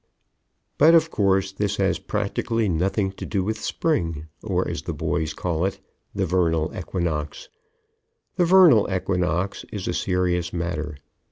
"] But, of course, this has practically nothing to do with Spring, or, as the boys call it, the "vernal equinox." The vernal equinox is a serious matter.